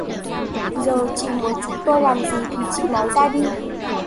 giờ chị muốn chúng tôi làm gì thì chị nói ra đi